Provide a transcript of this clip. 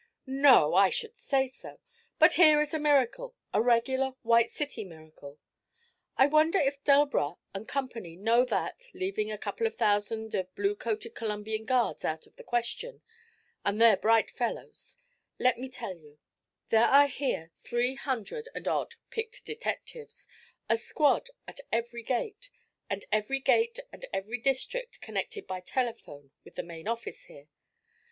'No; I should say so! But here is a miracle, a regular White City miracle. I wonder if Delbras and company know that leaving a couple of thousand of blue coated Columbian guards out of the question, and they're bright fellows, let me tell you there are here three hundred and odd picked detectives, a squad at every gate, and every gate and every district connected by telephone with the main office here.